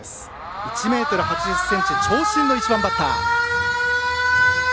１ｍ８０ｃｍと長身の１番バッター。